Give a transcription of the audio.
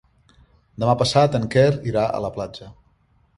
Demà passat en Quer irà a la platja.